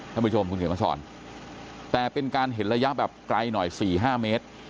ท่านผู้ชมคุณเขียนมาสอนแต่เป็นการเห็นระยะแบบไกลหน่อย๔๕เมตร